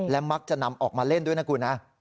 มักจะนำออกมาเล่นด้วยนะคุณนะ